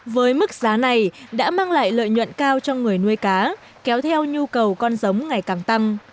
với mức giá này đã mang lại lợi nhuận cao cho người nuôi cá kéo theo nhu cầu con giống ngày càng tăng